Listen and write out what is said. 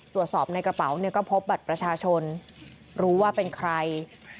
ตรวจสอบในกระเป๋าเนี่ยก็พบบัตรประชาชนรู้ว่าเป็นใคร